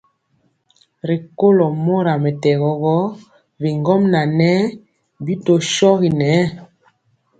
Rikólo mora mɛtɛgɔ gɔ, bigɔmŋa ŋɛɛ bi tɔ shogi ŋɛɛ.